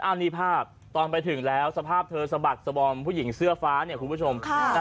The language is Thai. อันนี้ภาพตอนไปถึงแล้วสภาพเธอสะบักสบอมผู้หญิงเสื้อฟ้าเนี่ยคุณผู้ชม